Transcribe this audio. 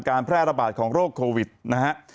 การแพร่ระบาดของโรคโควิดนะฮะ